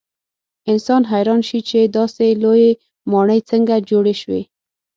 انسان حیران شي چې داسې لویې ماڼۍ څنګه جوړې شوې.